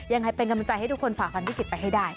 ยังไงเป็นกำลังใจให้ทุกคนฝ่าฟันวิกฤตไปให้ได้